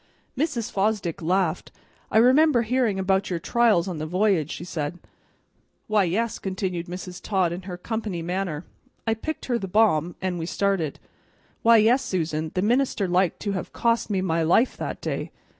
Mrs. Fosdick laughed. "I remember hearin' about your trials on the v'y'ge," she said. "Why, yes," continued Mrs. Todd in her company manner. "I picked her the balm, an' we started. Why, yes, Susan, the minister liked to have cost me my life that day.